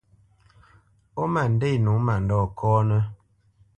Ó ma ndê nǒ mandɔ̂ kɔ́nə́.